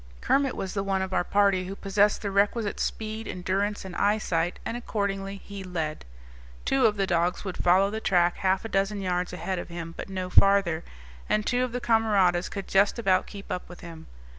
Kermit was the one of our party who possessed the requisite speed, endurance, and eyesight, and accordingly he led. Two of the dogs would follow the track half a dozen yards ahead of him, but no farther; and two of the camaradas could just about keep up with him.